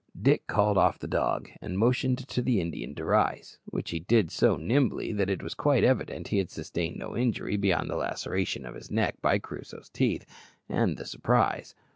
Dick called off the dog, and motioned to the Indian to rise, which he did so nimbly that it was quite evident he had sustained no injury beyond the laceration of his neck by Crusoe's teeth, and the surprise.